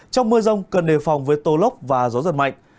trong mưa rông cần đề phòng với tô lốc và gió giật mạnh